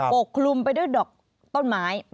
กคลุมไปด้วยดอกต้นไม้